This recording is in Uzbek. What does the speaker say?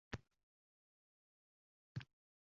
Yaʼni sunʼiy intellekt yondashuvini oʻzgartirdi.